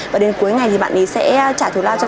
và đến cuối ngày thì bạn ấy sẽ